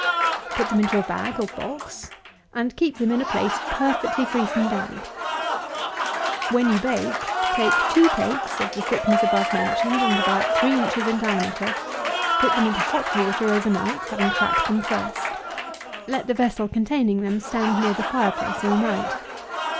Put them into a bag, or box, and keep them in a place perfectly free from damp. When you bake, take two cakes, of the thickness above mentioned, and about 3 inches in diameter; put them into hot water, over night, having cracked them first. Let the vessel containing them stand near the fire place all night.